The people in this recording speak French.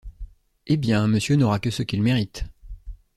Eh bien, monsieur n’aura que ce qu’il mérite!